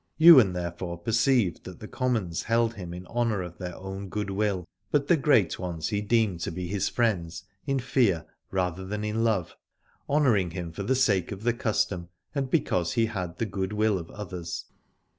Ywain therefore perceived that the com mons held him in honour of their own good 88 Aladore will: but the great ones he deemed to be his friends in fear rather than in love, honour ing him for the sake of the custom and because he had the good will of others.